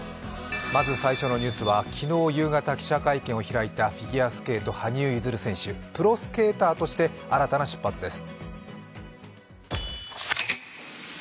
まず最初のニュースは昨日夕方記者会見を開いたフィギュアスケート・羽生結弦選手プロスケーターとして新たな出発です。